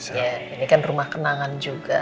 ini kan rumah kenangan juga